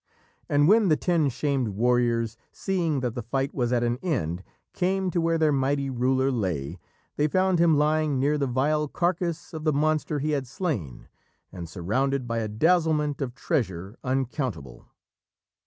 And when the ten shamed warriors, seeing that the fight was at an end, came to where their mighty ruler lay, they found him lying near the vile carcase of the monster he had slain, and surrounded by a dazzlement of treasure uncountable.